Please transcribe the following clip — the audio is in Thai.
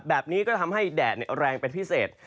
แบบนี้ก็ทำให้แดดแรงเป็นพิเศษ